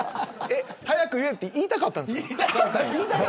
早く言えって言いたかったんですか。